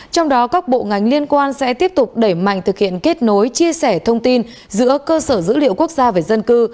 trong đó các bộ ngành liên quan sẽ tiếp tục đẩy mạnh thực hiện kết nối chia sẻ thông tin giữa cơ sở dữ liệu quốc gia về dân cư